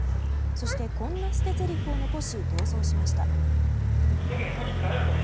そして、こんな捨てぜりふを残し逃走しました。